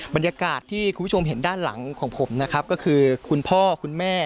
บรรยากาศที่คุณผู้ชมเห็นด้านหลังของผมนะครับก็คือคุณพ่อคุณแม่